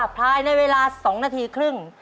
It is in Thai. ภายในเวลา๒นาทีครึ่ง